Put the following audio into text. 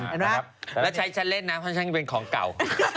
อ่าเห็นไหมครับแล้วฉันเล่นนะเพราะฉันเป็นของเก่า